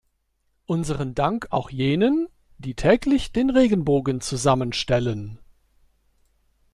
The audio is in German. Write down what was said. Unseren Dank auch jenen, die täglich den Regenbogen zusammenstellen.